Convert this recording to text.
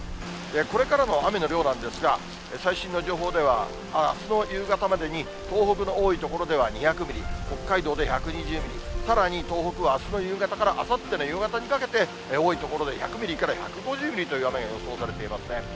これからの雨の量なんですが、最新の情報では、あすの夕方までに、東北の多い所では２００ミリ、北海道で１２０ミリ、さらに東北はあすの夕方からあさっての夕方にかけて、多い所で１００ミリから１５０という雨が予想されていますね。